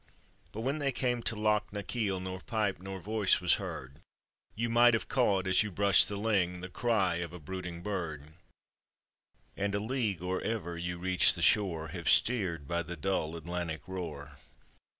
But when they came to Loch na kiel, Nor pipe nor voice was heard, You might have caught, as you brushed the ling, The cry of a brooding bird, And a league or ever you reached the shore, Have steered by the dull Atlantic roar.